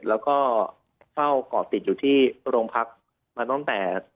แล้วก็เฝ้าก่อติดอยู่ที่โรงพักมาตั้งแต่